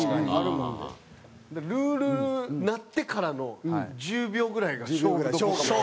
「ルールル」鳴ってからの１０秒ぐらいが勝負どころかも。